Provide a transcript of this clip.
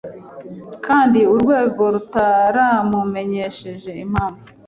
kandi urwego rutaramumenyesheje impamvu